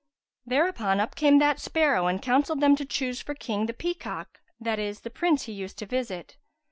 Thereupon up came that sparrow and counselled them to choose for King the peacock (that is, the prince he used to visit).